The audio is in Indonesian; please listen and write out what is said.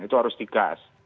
itu harus digas